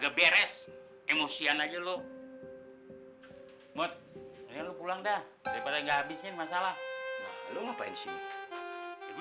lu beres emosian aja lo hai mbak pulang dah habisin masalah ngapain sih